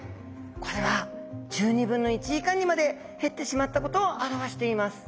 これは１２分の１以下にまで減ってしまったことを表しています。